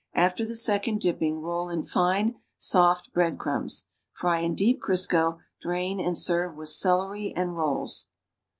After the second dipping, roll in Hue, scjfl bread crumbs. Fry in deep Crisco, drain and serve with celery and rolls.